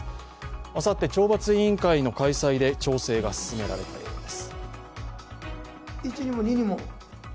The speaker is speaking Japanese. あさって懲罰委員会の開催で調整が進められています。